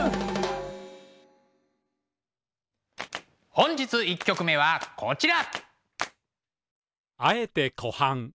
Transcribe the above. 本日１曲目はこちら。